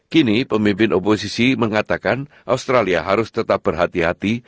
kini pemimpin oposisi mengatakan australia harus tetap berhati hati